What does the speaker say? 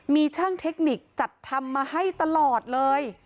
มีช่างเทคนิคจัดทำมาให้ตลอดเลย